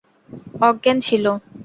অজ্ঞান ছিলো।